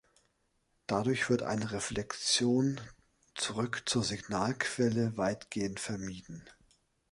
Dadurch wird eine Reflexion zurück zur Signalquelle weitgehend vermieden.